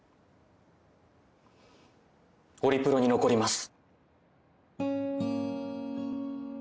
オリプロに残ります。